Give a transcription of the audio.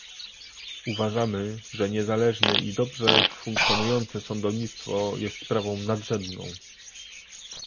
Uważamy, że niezależny i dobrze funkcjonujące sądownictwo jest sprawą nadrzędną